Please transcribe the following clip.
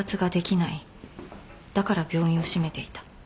だから病院を閉めていた。